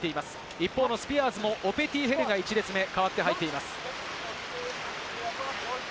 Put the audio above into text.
一方、スピアーズもオペティ・ヘルが１列目、代わって入っています。